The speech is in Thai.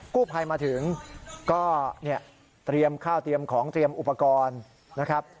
ภัยมาถึงก็เนี่ยเตรียมข้าวเตรียมของเตรียมอุปกรณ์นะครับ